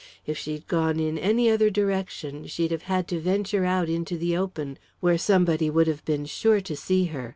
If she'd gone in any other direction, she'd have had to venture out into the open, where somebody would have been sure to see her.